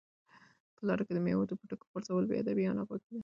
په لاره کې د مېوې د پوټکو غورځول بې ادبي او ناپاکي ده.